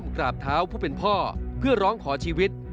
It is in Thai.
กราบเท้าผู้เป็นพ่อเพื่อร้องขอชีวิต